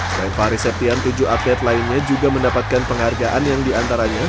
selain fahri septian tujuh atlet lainnya juga mendapatkan penghargaan yang diantaranya